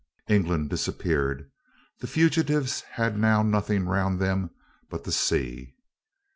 England disappeared. The fugitives had now nothing round them but the sea.